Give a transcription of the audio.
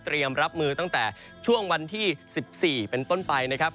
รับมือตั้งแต่ช่วงวันที่๑๔เป็นต้นไปนะครับ